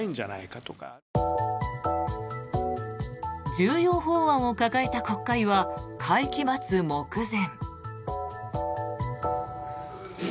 重要法案を抱えた国会は会期末目前。